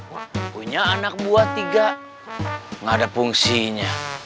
pokoknya anak buah tiga gak ada fungsinya